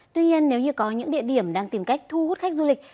tuy nhiên nếu như có những địa điểm đang tìm cách thu hút khách du lịch